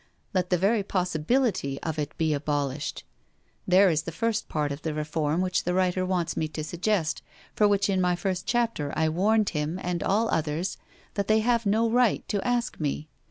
Let the very possibility of it be abolished. There is the first part of the reform which the writer wants me to suggest, for which in my first chapter I warned him and all others that they have no right to ask me.